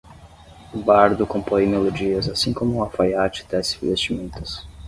O bardo compõe melodias assim como o alfaiate tece vestimentas